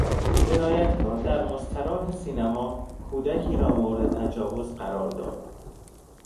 جنایتکار در مستراح سینما کودکی را مورد تجاوز قرار داد.